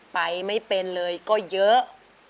ไปไม่เป็นเลยก็เยอะ